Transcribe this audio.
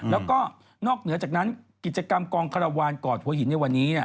แล้วก็นอกเหนือจากนั้นกิจกรรมกองคารวาลกอดหัวหินในวันนี้